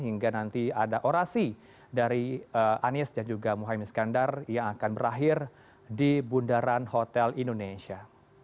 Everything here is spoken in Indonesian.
hingga nanti ada orasi dari anies dan juga mohaimin skandar yang akan berakhir di bundaran hotel indonesia